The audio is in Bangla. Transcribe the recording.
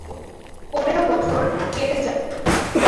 পনেরো বছর কেটে যায়।